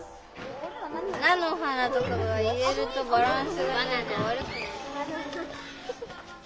菜の花とかを入れるとバランスが何か悪くなる。